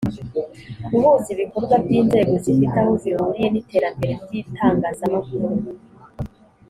guhuza ibikorwa by inzego zifite aho zihuriye n iterambere ry itangazamakuru